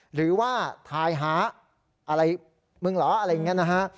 หรือว่าถ่ายหาอะไรมึงเหรออะไรอย่างนี้นะฮะ